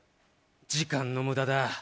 時間の無駄だ。